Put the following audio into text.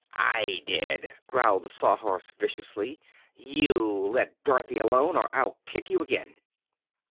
"I did," growled the Sawhorse, viciously. "You let Dorothy alone, or I'll kick you again."